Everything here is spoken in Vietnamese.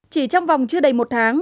chỉ trong vòng chưa đầy một tháng